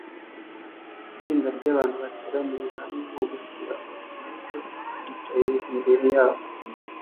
Itsinda ryabantu bateraniye hamwe nko gushiraho ibiryo bicaye imbere yabo